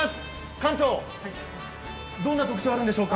館長、どんな特徴あるんでしょうか？